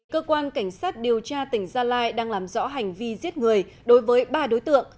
cơ quan cảnh sát điều tra tỉnh gia lai đang làm rõ hành vi giết người đối với ba đối tượng